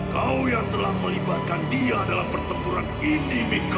kau yang telah melibatkan dia dalam pertempuran ini